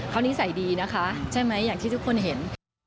เขานิสัยดีนะคะใช่ไหมอย่างที่ทุกคนเห็น